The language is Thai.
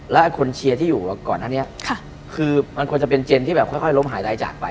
และคนเชียร์ที่อยู่ก่อนหน้านี้คือมันควรจะเป็นเจนที่แบบค่อยล้มหายรายจากไป